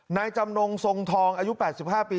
นายจำนงทรงทองอายุ๘๕ปี